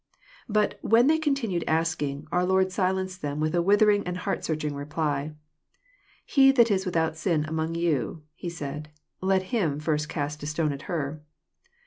But "when they continued asking," our Lord silenced them with a withering and heart searching reply. —" He that is without sin among you," he said, " let him first cast a stone at her."